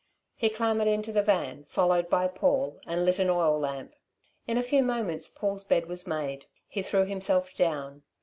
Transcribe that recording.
He clambered into the van, followed by Paul, and lit an oil lamp. In a few moments Paul's bed was made. He threw himself down.